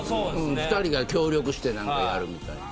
２人が協力してやるみたいな。